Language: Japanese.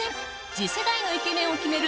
次世代のイケメンを決める